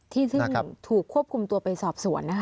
ที่ซึ่งถูกควบคุมตัวไปสอบสวนนะคะ